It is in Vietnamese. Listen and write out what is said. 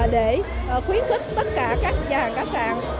để khuyến khích tất cả các nhà hàng cá sạn